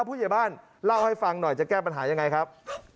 ผู้ใหญ่บ้านเล่าให้ฟังหน่อยจะแก้ปัญหายังไงครับ